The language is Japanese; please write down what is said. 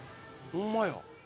ホンマや。